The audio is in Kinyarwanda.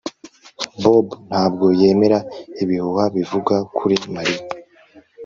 Bobo ntabwo yemera ibihuha bivuga kuri Mariya